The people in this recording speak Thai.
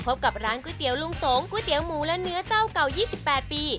พบกับร้านก๋วยเตี๋ยวลุงสงก๋วยเตี๋ยหมูและเนื้อเจ้าเก่า๒๘ปี